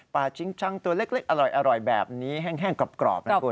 ชิงชังตัวเล็กอร่อยแบบนี้แห้งกรอบนะคุณ